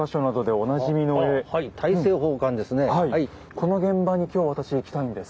この現場に今日私行きたいんです。